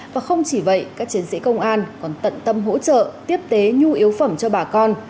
và không chỉ vậy các chiến sĩ công an còn tận tâm hỗ trợ tiếp tế nhu yếu phẩm cho bà con